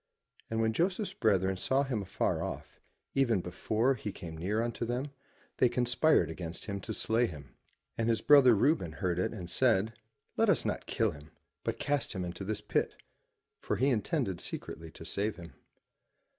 And when Joseph's brethren saw him afar off, even before he came near unto them, they conspired against him to slay him. And his brother Reuben heard it and said, *'Let us not kill him, but cast him into this pit,'* for he intended secretly to save him.